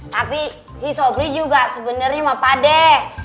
tapi si sobri juga sebenernya mah padeh